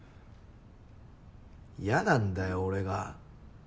嫌なんだよ俺が。